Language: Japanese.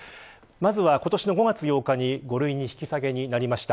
まず、今年の５月８日に５類に引き下げになりました。